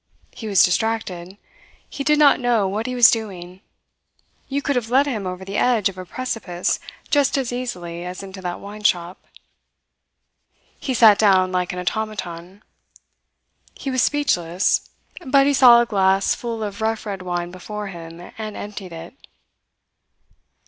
He was distracted. He did not know what he was doing. You could have led him over the edge of a precipice just as easily as into that wine shop. He sat down like an automaton. He was speechless, but he saw a glass full of rough red wine before him, and emptied it.